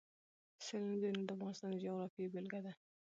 سیلانی ځایونه د افغانستان د جغرافیې بېلګه ده.